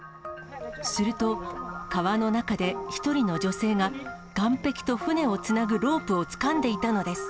すると、川の中で１人の女性が、岸壁と船をつなぐロープをつかんでいたのです。